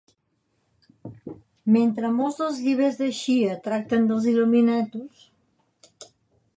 Mentre molts dels llibres de Shea tracten dels Illuminatus!